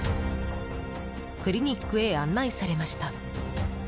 クリニックへ案内されました。